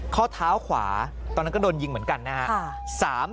ข้อเท้าขวาตอนนั้นก็โดนยิงเหมือนกันนะครับ